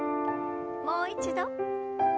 もう一度。